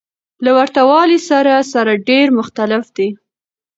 له ورته والي سره سره ډېر مختلف دى.